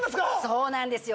そうなんですよ